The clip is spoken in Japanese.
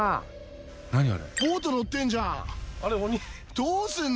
どうすんの？